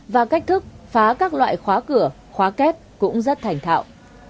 và cách thức phá các loại khóa cửa khóa két cũng rất thành thạo